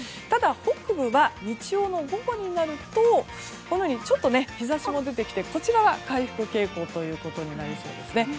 ただ北部は日曜の午後になるとちょっと日差しも出てきて回復傾向となりそうです。